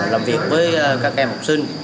làm việc với các em học sinh